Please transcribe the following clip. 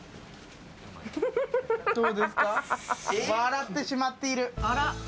笑ってしまっている。